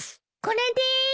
これでーす。